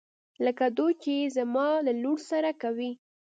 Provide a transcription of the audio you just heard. لکه دوی چې يې زما له لور سره کوي.